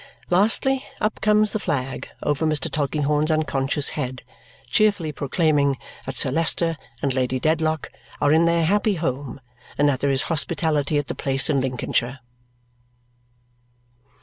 Lastly, up comes the flag over Mr. Tulkinghorn's unconscious head cheerfully proclaiming that Sir Leicester and Lady Dedlock are in their happy home and that there is hospitality at the place in Lincolnshire.